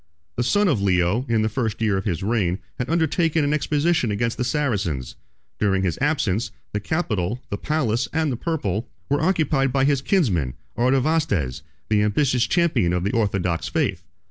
The son of Leo, in the first year of his reign, had undertaken an expedition against the Saracens: during his absence, the capital, the palace, and the purple, were occupied by his kinsman Artavasdes, the ambitious champion of the orthodox faith.